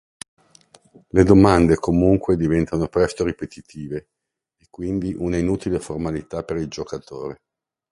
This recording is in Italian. Le domande comunque diventano presto ripetitive e quindi una inutile formalità per il giocatore.